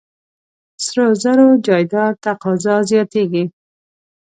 سرو زرو جایداد تقاضا زیاتېږي.